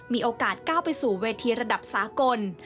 มีโอกาสก้าวไปสู่เวทีระดับสากล